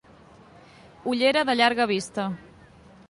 Ullera de llarga vista.